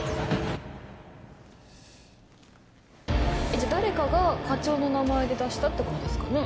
じゃあ誰かが課長の名前で出したってことですかね？